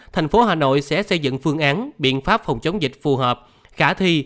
thành phố hà nội sẽ xây dựng phương án biện pháp phòng chống dịch phù hợp khả thi